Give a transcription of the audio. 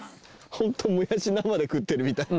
ホントもやし生で食ってるみたい。